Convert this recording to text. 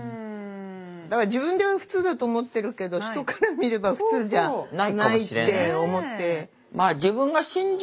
だから自分では普通だと思ってるけど人から見れば普通じゃないって思って。